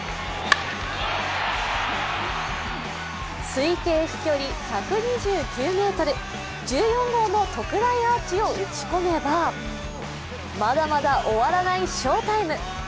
推定飛距離１２９ｍ、１４号の特大アーチを打ち込めばまだまだ終わらない翔タイム。